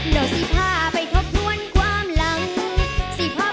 โดยสีภาพไปทบทบหวนความรังพอไปนั่ง